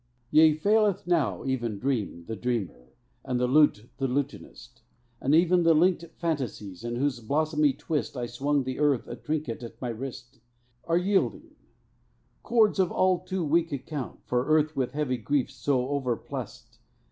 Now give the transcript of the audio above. Yea, faileth now even dream The dreamer, and the lute the lutanist; Even the linked fantasies, in whose blossomy twist I swung the earth a trinket at my wrist, Are yielding; cords of all too weak account For earth with heavy griefs so overplussed.